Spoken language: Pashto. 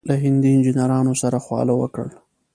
له هندي انجنیرانو سره خواله وکړه.